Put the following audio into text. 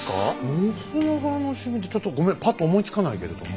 信長の趣味ってちょっとごめんパッと思いつかないけれども。